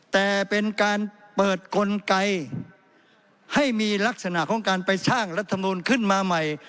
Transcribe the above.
แต่เป็นการเปิดกลไกให้มีลักษณะของการไปสร้างรัฐมนูลขึ้นมาใหม่